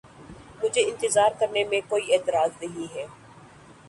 مجھے اِنتظار کرنے میں کوئی اعتراض نہیں ہے۔